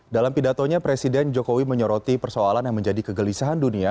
dalam pidatonya presiden jokowi menyoroti persoalan yang menjadi kegelisahan dunia